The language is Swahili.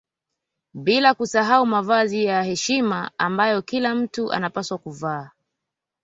Bila kusahau mavazi ya heshima ambayo kila mtu anapaswa kuvaa